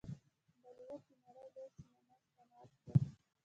بالیووډ د نړۍ لوی سینما صنعت دی.